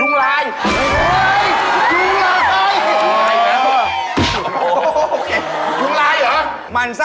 ยุ้งลูกใครนะ